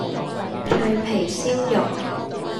脆皮燒肉